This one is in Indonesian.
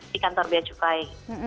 di kantor biaya cukai